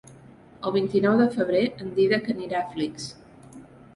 El vint-i-nou de febrer en Dídac anirà a Flix.